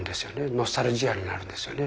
ノスタルジアになるんですよね。